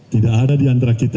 tidak ada di antara kita